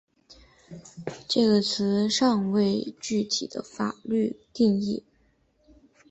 这个词尚未有具体的法律定义。